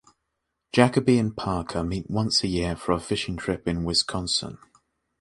Jacoby and Parker meet once a year for a fishing trip in Wisconsin.